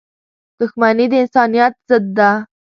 • دښمني د انسانیت ضد ده.